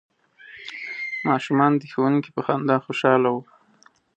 ماشومان د ښوونکي په خندا خوشحاله وو.